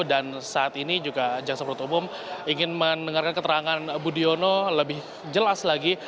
dan saat ini juga jaksa merdeka umum ingin mendengarkan keterangan budiono lebih jelas lagi